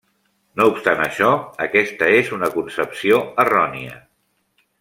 No obstant això, aquesta és una concepció errònia.